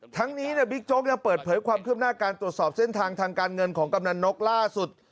ทั้งนี้บิ๊กโจ๊กยังเปิดเผยความคืบหน้าการตรวจสอบเส้นทางทางการเงินของกำนันนกล่าสุด